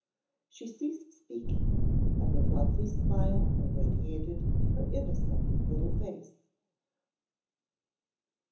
She ceased speaking and a lovely smile irradiated her innocent little face.